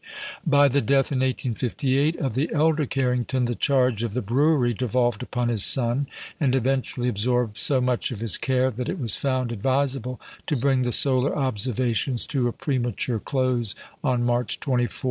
By the death, in 1858, of the elder Carrington, the charge of the brewery devolved upon his son; and eventually absorbed so much of his care that it was found advisable to bring the solar observations to a premature close, on March 24, 1861.